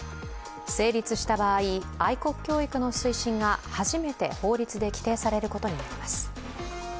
成立した場合、愛国教育の推進が初めて法律で規定されることになります。